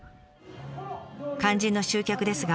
肝心の集客ですが。